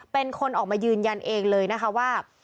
เป็นคนออกมายืนยันเองเลยนะคะว่า